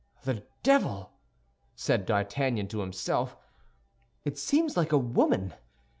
"The devil!" said D'Artagnan to himself. "It seems like a woman!